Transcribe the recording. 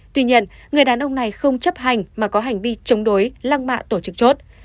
tuy nhiên người đàn ông này không chấp hành mà có hành vi chống đối lăng mạ tổ chức chốt